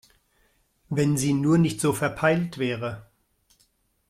Wenn sie nur nicht so verpeilt wäre!